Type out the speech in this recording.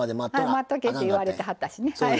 待っとけって言われてはったしね。